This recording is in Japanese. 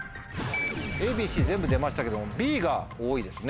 ＡＢＣ全部出ましたけどもＢが多いですね。